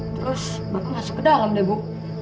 terus bapak masuk ke dalam deh bu